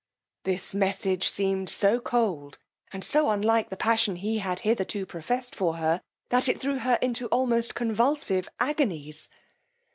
This message seemed so cold, and so unlike the passion he had hitherto professed for her, that it threw her into almost convulsive agonies.